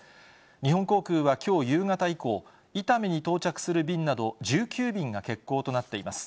日本航空はきょう夕方以降、伊丹に到着する便など、１９便が欠航となっています。